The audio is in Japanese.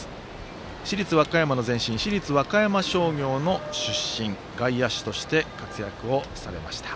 市立和歌山の前身市立和歌山商業の出身外野手として活躍をされました。